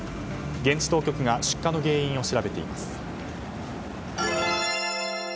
現地当局が出火の原因を調べています。